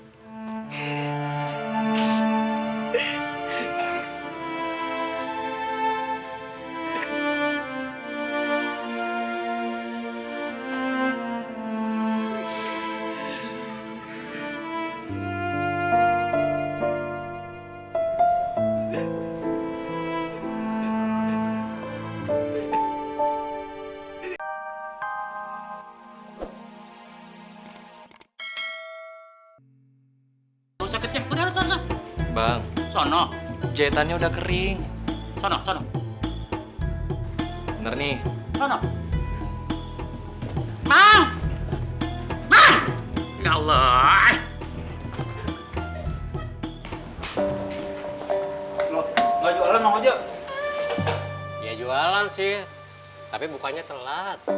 sampai jumpa di video selanjutnya